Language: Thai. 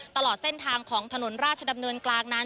ตลอดเส้นทางของถนนราชดำเนินกลางนั้น